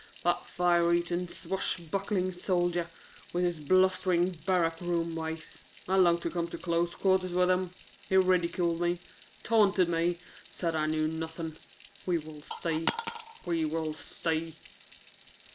"That fire eating, swashbuckling soldier, with his blustering barrack room ways. I long to come to close quarters with him. He ridiculed me, taunted me, said I knew nothing we will see, we will see."